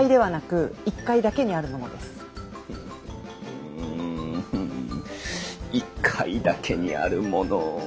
うん１階だけにあるもの。